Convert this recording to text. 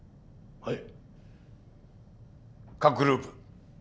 はい！